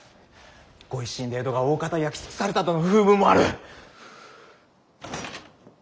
御一新で江戸がおおかた焼き尽くされたとの風聞もある。